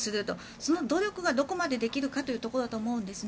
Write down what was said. その努力がどこまでできるかというところだと思うんです。